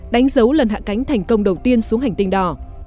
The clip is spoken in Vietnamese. đánh dấu lần hạ cánh thành công đầu tiên xuống hành tinh đỏ